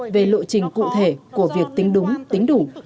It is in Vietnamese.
về lộ trình cụ thể của việc tính đúng tính đủ